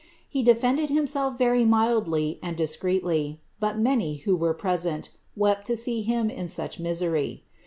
He defended himself very mildly and discreetly ; but many, who were present, wept to see him iu such misery.